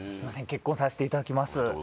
結婚させていただきます